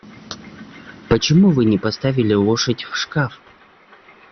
Почему Вы не поставили лошадь в шкаф?